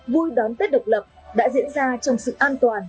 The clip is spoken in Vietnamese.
vui đón tết độc lập đã diễn ra trong sự an toàn bình yên và cấn khởi